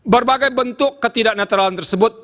berbagai bentuk ketidak netralan tersebut